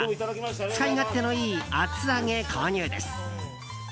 使い勝手のいい厚揚げ購入です。